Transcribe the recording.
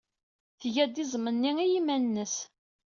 Tga-d iẓem-nni i yiman-nnes.